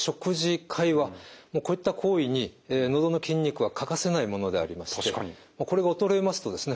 もうこういった行為にのどの筋肉は欠かせないものでありましてこれが衰えますとですね